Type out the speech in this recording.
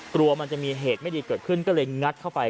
กลัวมันจะมีเหตุไม่ดีเกิดขึ้นก็เลยงัดเข้าไป